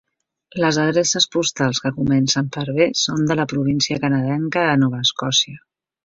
Les adreces postals que comencen per B són de la província canadenca de Nova Escòcia.